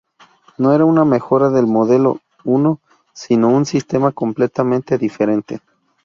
No era una mejora del Modelo I sino un sistema completamente diferente.